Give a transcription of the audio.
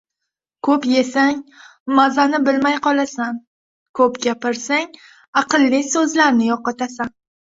• Ko‘p yesang, mazani bilmay qolasan, ko‘p gapirsang aqlli so‘zlarni yo‘qotasan.